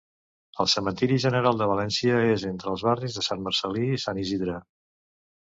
El Cementeri General de València és entre els barris de Sant Marcel·lí i Sant Isidre.